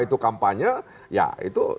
itu kampanye ya itu